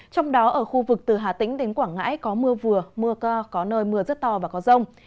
trong đó ở khu vực từ hà tĩnh đến quảng ngãi có mưa vừa mưa có nơi mưa rất to và có rông